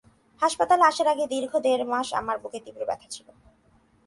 হাসপাতালে আসার আগে দীর্ঘ দেড় মাস আমার বুকে তীব্র ব্যথা ছিল।